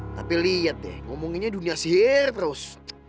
tapi lihat deh ngomonginnya dunia sihir terus